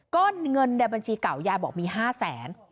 ก็เงินในบัญชีเก่ายายบอกมี๕แสน